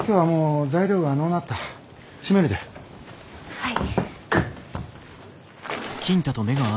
はい。